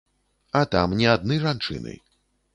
А там не адны жанчыны.